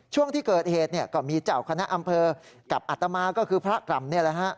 ช่วงที่เกิดเหตุก็มีเจ้าคณะอำเภอกับอัตมาก็คือพระกล่ำ